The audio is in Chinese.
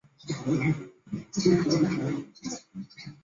较远处则是广大的住宅区。